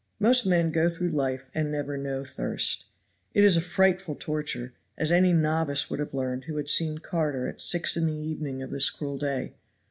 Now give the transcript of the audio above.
Most men go through life and never know thirst. It is a frightful torture, as any novice would have learned who had seen Carter at six in the evening of this cruel day.